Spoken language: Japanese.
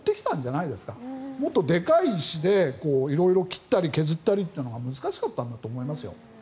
もっとでかい石でもっとでかい石で色々切ったり削ったりというのが難しかったんだと思いますよ。